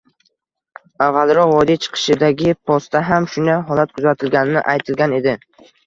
Avvalroq, vodiy chiqishidagi postda ham shunday holat kuzatilgani aytilgan edi